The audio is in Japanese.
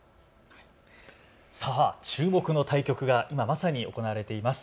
さあ注目の対局が今まさに行われています。